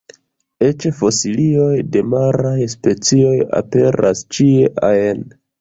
Eĉ fosilioj de maraj specioj aperas ĉie ajn.